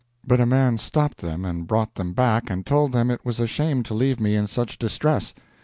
But a man stopped them and brought them back and told them it was a shame to leave me in such distress.